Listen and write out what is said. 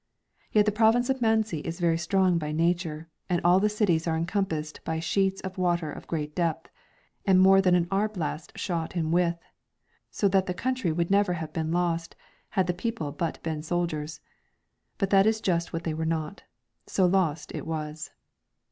Yet the province of Manzi is very strong by nature, and all the cities are encompassed by sheets of water of great depth, and more than an arblast shot in width ; so that the country never would have been lost, had the people but been soldiers. But that is just what they were not ; so lost it was.